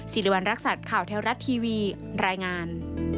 สิริวัณรักษัตริย์ข่าวเทวรัฐทีวีรายงาน